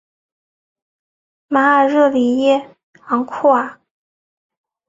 马尔热里耶昂库尔。